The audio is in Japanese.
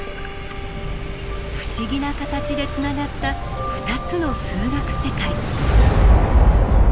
不思議な形でつながった２つの数学世界。